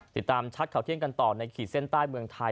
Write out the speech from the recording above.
ชัดข่าวเที่ยงกันต่อในขีดเส้นใต้เมืองไทย